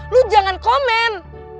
lo jangan komen